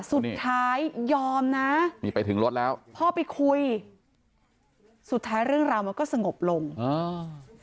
สุดท้ายยอมนะนี่ไปถึงรถแล้วพ่อไปคุยสุดท้ายเรื่องราวมันก็สงบลงอ่า